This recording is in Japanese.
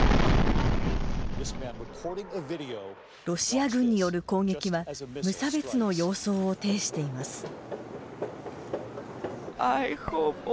ロシア軍による攻撃は無差別の様相を呈しています。